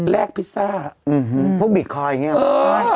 แลกพิซซ่าอืมอืมพวกบิทคอแบบนี้อะเออ